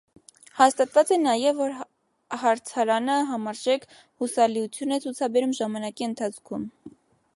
Հաստատված է նաև, որ հարցարանը համարժեք հուսալիություն է ցուցաբերում ժամանակի ընթացքում։